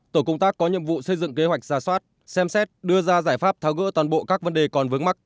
tổ công tác có nhiệm vụ xây dựng kế hoạch giả soát xem xét đưa ra giải pháp tháo gỡ toàn bộ các vấn đề còn vướng mắc